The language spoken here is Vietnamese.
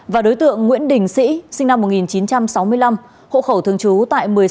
và đối tượng nguyễn đình sĩ sinh năm một nghìn chín trăm sáu mươi năm hộ khẩu thường trú tại một mươi sáu